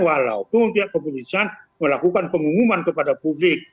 walaupun pihak kepolisian melakukan pengumuman kepada publik